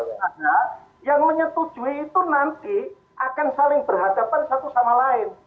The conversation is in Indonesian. karena yang menyetujui itu nanti akan saling berhadapan satu sama lain